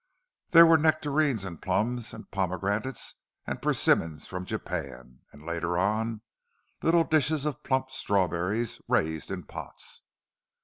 There were nectarines and plums, and pomegranates and persimmons from Japan, and later on, little dishes of plump strawberries raised in pots.